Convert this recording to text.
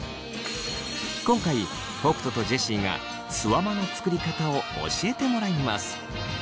今回北斗とジェシーがすわまの作り方を教えてもらいます。